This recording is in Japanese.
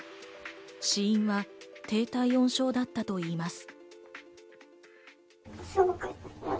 死因は低体温症だったといいます。